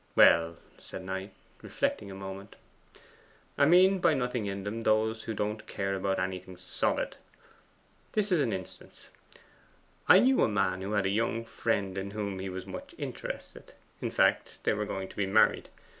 'Well,' said Knight, reflecting a moment, 'I mean by nothing in them those who don't care about anything solid. This is an instance: I knew a man who had a young friend in whom he was much interested; in fact, they were going to be married.